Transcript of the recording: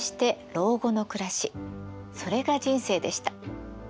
それが人生でした。